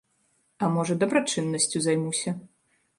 А можа, дабрачыннасцю займуся.